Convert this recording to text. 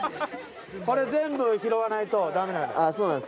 これ全部拾わないとダメなんで。